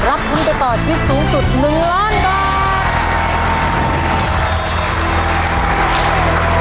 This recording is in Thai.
ทุนไปต่อชีวิตสูงสุด๑ล้านบาท